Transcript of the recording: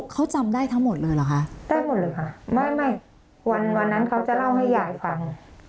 เขาจำได้ทั้งหมดเลยเหรอคะได้หมดเลยค่ะไม่ไม่วันวันนั้นเขาจะเล่าให้ยายฟัง